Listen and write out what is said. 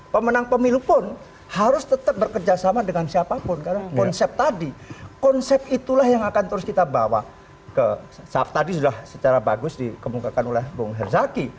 pemenang pemilu pun harus tetap bekerjasama dengan siapapun karena konsep tadi konsep itulah yang akan terus kita bawa ke saat tadi sudah secara bagus dikemukakan oleh bung herzaki